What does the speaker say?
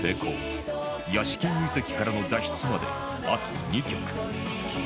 ヤシキング遺跡からの脱出まであと２曲